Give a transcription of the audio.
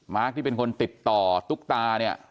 ที่เป็นคนติดต่อตุ๊กตาเนี่ย